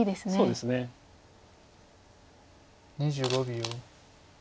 ２５秒。